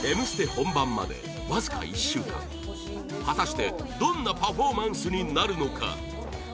本番までわずか１週間果たして、どんなパフォーマンスになるのか？